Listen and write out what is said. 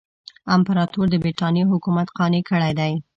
امپراطور د برټانیې حکومت قانع کړی دی.